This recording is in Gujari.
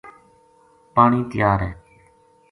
پانی تیار ہے‘‘